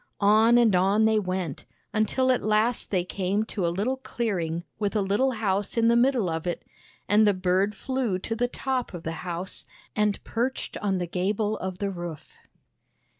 On and on they went, until at last they came to a little clearing with a little house in the middle of it, and the bird flew to the top of the house, and perched on the gable of the roof.